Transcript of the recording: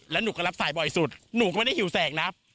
แล้วหนูก็รับสายบ่อยสุดหนูก็ไม่ได้หิวแสงนะ